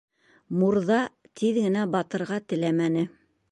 Мурҙа тиҙ генә батырға теләмәне.